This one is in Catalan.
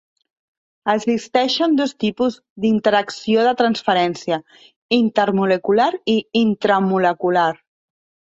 Existeixen dos tipus d'interacció de transferència: intermolecular i intramolecular.